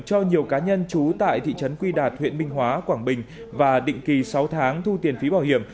cho nhiều cá nhân trú tại thị trấn quy đạt huyện minh hóa quảng bình và định kỳ sáu tháng thu tiền phí bảo hiểm